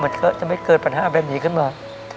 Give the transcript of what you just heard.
มันก็จะไม่เกิดปัญหาแบบนี้ขึ้นมา